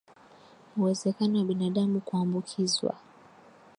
Uwezekano wa binadamu kuambukizwa